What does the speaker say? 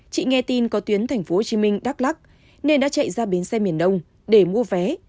chị nghe tin có tuyến tp hcm đắk lắc nên đã chạy ra bến xe miền đông để mua vé